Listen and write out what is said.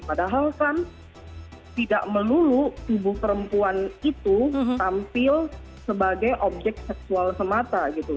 padahal kan tidak melulu tubuh perempuan itu tampil sebagai objek seksual semata gitu